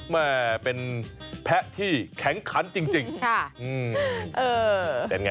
แม่เป็นแพะที่แข็งขันจริง